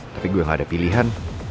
tapi gue gak ada pilihan